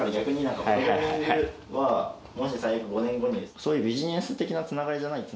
そういうビジネス的なつながりじゃないつながりを。